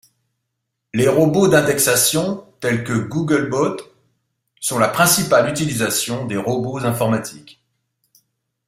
Les robots d'indexation, tels que le Googlebot, sont la principale utilisation des robots informatiques.